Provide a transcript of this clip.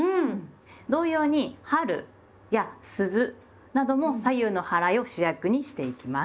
同様に「春」や「鈴」なども左右のはらいを主役にしていきます。